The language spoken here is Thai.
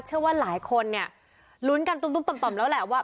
เชื่อว่าหลายคนเนี่ยลุ้นกันตุ้มต่อมแล้วแหละว่า